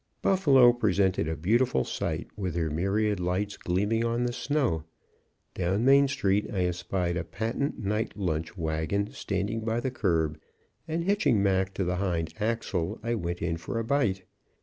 Buffalo presented a beautiful sight, with her myriad lights gleaming on the snow. Down Main street, I espied a patent night lunch wagon standing by the curb, and hitching Mac to the hind axle, I went in for a bite.